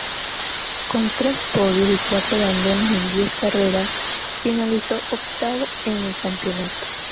Con tres podios y cuatro abandonos en diez carreras, finalizó octavo en el campeonato.